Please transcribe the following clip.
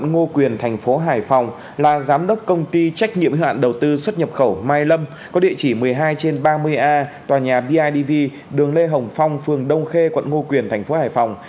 ngô quyền thành phố hải phòng là giám đốc công ty trách nhiệm hữu hạn đầu tư xuất nhập khẩu mai lâm có địa chỉ một mươi hai trên ba mươi a tòa nhà bidv đường lê hồng phong phường đông khê quận ngo quyền thành phố hải phòng